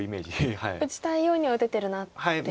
打ちたいようには打ててるなっていう。